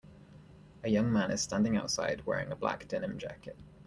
A young man is standing outside wearing a black denim jacket.